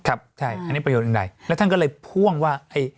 อันนี้ประโยชนอื่นใดแล้วท่านก็เลยพ่วงว่า